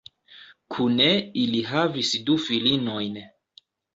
Kune ili havis du filinojn.